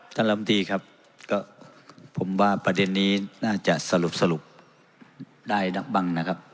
ลำตีครับก็ผมว่าประเด็นนี้น่าจะสรุปได้นักบ้างนะครับ